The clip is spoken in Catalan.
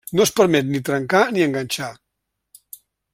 No es permet ni trencar ni enganxar.